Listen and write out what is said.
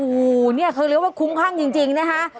อู้วนี่คือเรียกว่าคุ้มครั่งจริงนะฮะ